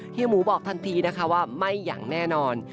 หมูบอกทันทีนะคะว่าไม่อย่างแน่นอน